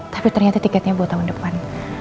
tapi ternyata tiketnya buat tahun depan